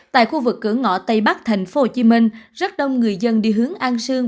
tại khu vực cửa ngõ tây bắc thành phố hồ chí minh rất đông người dân đi hướng an sương